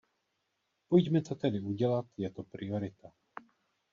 Pojďme to tedy udělat, je to priorita.